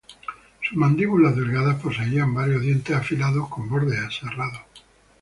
Sus mandíbulas delgadas poseían varios dientes afilados con bordes aserrados.